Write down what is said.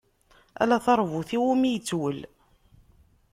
Ala taṛbut iwumi itwel.